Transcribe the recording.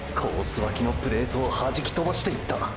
脇のプレートをはじきとばしていった！！